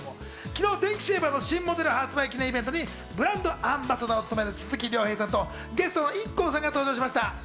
昨日、電気シェーバーの新モデル発売記念イベントにブランドアンバサダーを務める鈴木亮平さんとゲストのＩＫＫＯさんが登場しました。